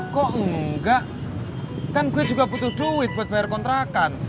kok enggak kan gue juga butuh duit buat bayar kontrakan